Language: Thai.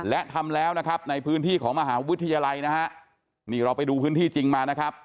และทำแล้วนะครับในพื้นที่ของมหาวิทยาลัยนะฮะนี่เราไปดูพื้นที่จริงมานะครับ